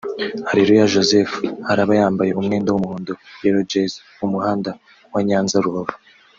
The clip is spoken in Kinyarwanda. Areruya Joseph araba yambaye umwenda w'umuhondo (Yellow Jersey) mu muhanda wa Nyanza-Rubavu